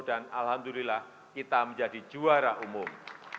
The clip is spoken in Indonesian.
alhamdulillah kita menjadi juara umum